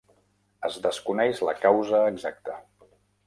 Es desconeix la causa exacta.